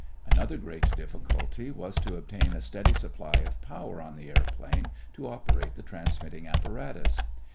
Another great difficulty was to obtain a steady supply of power on the airplane to operate the transmitting apparatus.